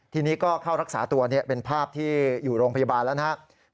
ทีนี้ก็เข้ารักษาตัวเป็นภาพที่อยู่โรงพยาบาลแล้วนะครับ